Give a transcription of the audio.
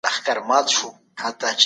تاسي تل په حوصله سره ژوند کوئ.